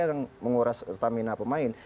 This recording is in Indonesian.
yang menguras stamina pemain